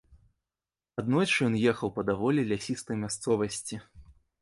Аднойчы ён ехаў па даволі лясістай мясцовасці.